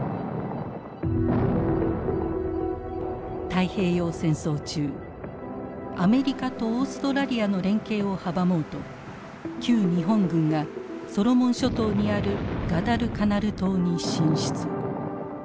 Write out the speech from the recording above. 太平洋戦争中アメリカとオーストラリアの連携を阻もうと旧日本軍がソロモン諸島にあるガダルカナル島に進出。